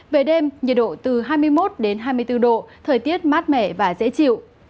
về đêm nhiệt độ từ hai mươi một hai mươi bốn độ thời tiết mát mẻ và dễ chịu